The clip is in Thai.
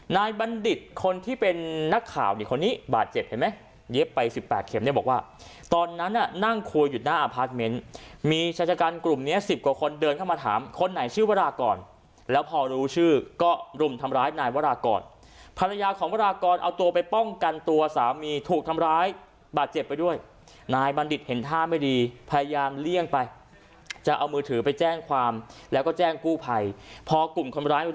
นายบัณฑิตคนที่เป็นนักข่าวนี่คนนี้บาดเจ็บเห็นไหมเย็บไปสิบแปดเข็มได้บอกว่าตอนนั้นน่ะนั่งคุยอยู่หน้าอาพาร์ทเม้นมีชาญการกลุ่มเนี้ยสิบกว่าคนเดินเข้ามาถามคนไหนชื่อวรากรแล้วพอรู้ชื่อก็รุ่มทำร้ายนายวรากรภรรยาของวรากรเอาตัวไปป้องกันตัวสามีถูกทำร้ายบาดเจ็บไปด้วยนายบัณฑิตเห็นท่าไม่ด